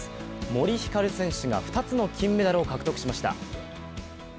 森ひかる選手が２つの金メダルを獲得しました。